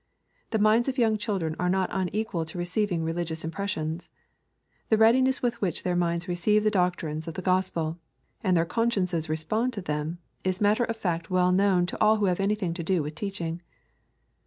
— The minds of young children are not unequal to receiving religious impressions. The readiness with which their minds receive the doctrines of the Gospel, and their consciences respond to them, is matter of fact well known to all who have anything to do with teaching.